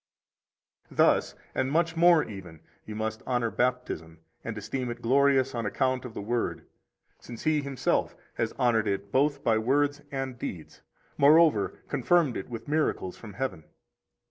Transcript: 21 Thus, and much more even, you must honor Baptism and esteem it glorious on account of the Word, since He Himself has honored it both by words and deeds; moreover, confirmed it with miracles from heaven.